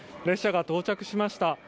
列車が到着しました。